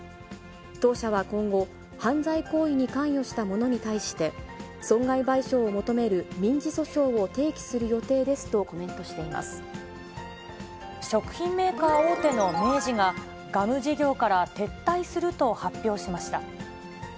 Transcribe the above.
当社は今後、犯罪行為に関与した者に対して、損害賠償を求める民事訴訟を提起する予定ですとコメントしていま食品メーカー大手の明治が、ガム事業から撤退すると発表しました。